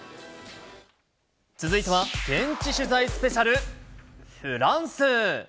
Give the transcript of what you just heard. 続いては、現地取材スペシャル、フランス。